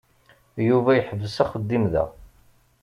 Yuba yeḥbes axeddim da.